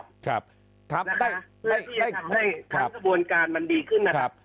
เพื่อที่จะทำให้ทางสบวนการมันดีขึ้นนะครับ